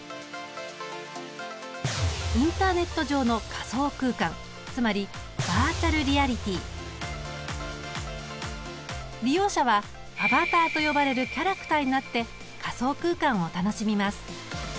インターネット上の仮想空間つまり利用者はアバターと呼ばれるキャラクターになって仮想空間を楽しみます。